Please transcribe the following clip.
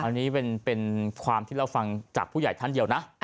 อันนี้เป็นความที่เราฟังจากผู้ใหญ่ท่านเดียวนะ